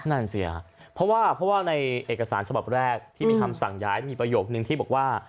นั่นสิครับเพราะว่าเพราะว่าในเอกสารฉบับแรกที่มีคำสั่งย้ายมีประโยคนึงที่บอกว่า